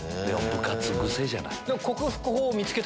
部活癖じゃない？